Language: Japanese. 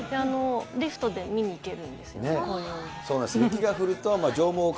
リフトで見に行けるんですよ、紅葉を。